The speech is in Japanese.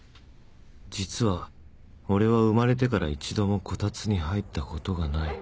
実は俺は生まれてから一度もこたつに入ったことがない。